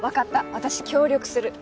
私協力する。